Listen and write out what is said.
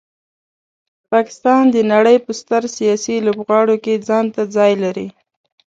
پاکستان د نړۍ په ستر سیاسي لوبغاړو کې ځانته ځای لري.